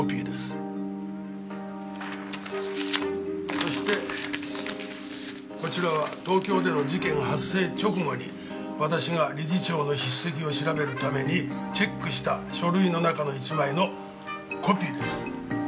そしてこちらは東京での事件発生直後に私が理事長の筆跡を調べるためにチェックした書類の中の１枚のコピーです。